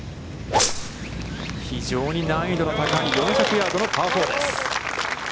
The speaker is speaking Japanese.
非常に難易度の高い４００ヤードのパー４です。